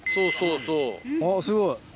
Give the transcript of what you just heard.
あっすごい。